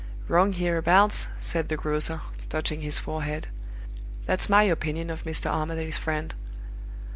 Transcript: "Wrong here abouts," said the grocer, touching his forehead. "That's my opinion of Mr. Armadale's friend!"